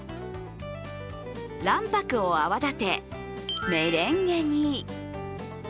卵白を泡立て、メレンゲに。